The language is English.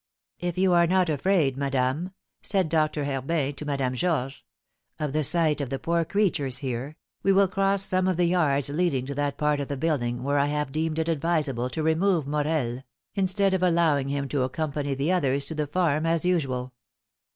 "If you are not afraid, madame," said Doctor Herbin to Madame Georges, "of the sight of the poor creatures here, we will cross some of the yards leading to that part of the building where I have deemed it advisable to remove Morel, instead of allowing him to accompany the others to the farm as usual."